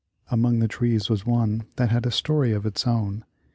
Among the trees was one that had a storv of its own.